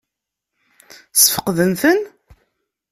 Ssfeqden-ten?